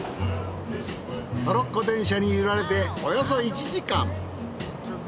トロッコ電車に揺られておよそ１時間。